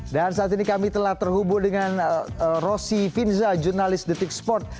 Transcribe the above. dan saat ini kami telah terhubung dengan rosi finza jurnalis detik sport